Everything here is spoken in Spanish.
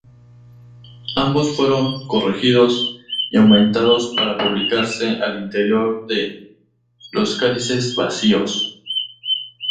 Ambos fueron corregidos y aumentados para publicarse al interior de "Los cálices vacíos".